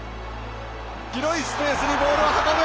広いスペースにボールを運ぶ！